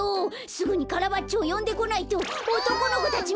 すぐにカラバッチョをよんでこないとおとこの子たち